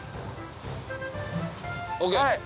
ＯＫ！